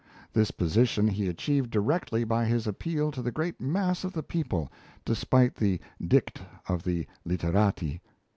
This position he achieved directly by his appeal to the great mass of the people, despite the dicta of the literati.